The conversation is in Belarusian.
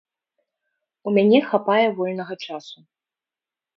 У мяне хапае вольнага часу.